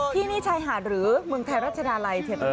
ที่นี่ชายหาดหรือเมืองไทยราชดาลัยเท่านั้น